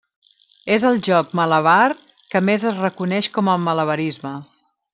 És el joc malabar que més es reconeix com a malabarisme.